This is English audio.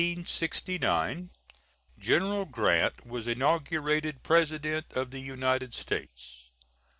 [March 4, 1869, General Grant was inaugurated President of the United States.